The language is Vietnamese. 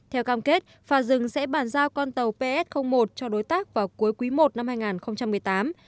theo cam kết phá rừng sẽ bàn giao con tàu ps một cho đối tác vào cuối quý i năm hai nghìn một mươi tám